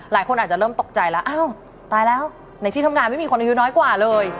หลายคนอาจจะเริ่มตกใจแล้วอ้าวตายแล้วในที่ทำงานไม่มีคนอายุน้อยกว่าเลย